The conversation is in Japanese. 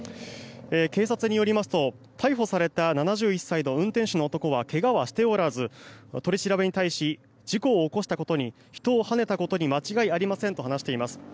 警察によりますと逮捕された７１歳の運転手の男はけがはしておらず取り調べに対し事故を起こしたことに人をはねたことに間違いありませんと話しています。